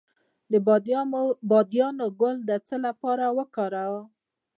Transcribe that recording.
د بادیان ګل د څه لپاره وکاروم؟